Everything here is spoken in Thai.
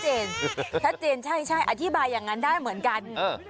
เออทัศน์เจนใช่อธิบายอย่างนั้นได้เหมือนกัน